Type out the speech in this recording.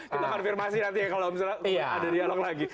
kita konfirmasi nanti ya kalau misalnya ada dialog lagi